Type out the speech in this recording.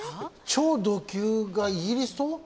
超ド級がイギリスと？